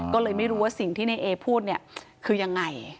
ก็เลยไม่รู้ว่าสิ่งที่ในเอพูดเนี่ยคือยังไง